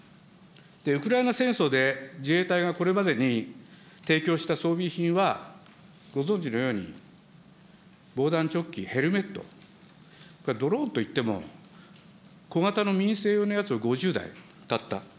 ウクライナ戦争で自衛隊がこれまでに提供した装備品は、ご存じのように、防弾チョッキ、ヘルメット、それからドローンといっても、小型の民生用のやつを５０台、たった。